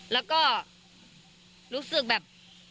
แล้วก็รู้สึกแบบ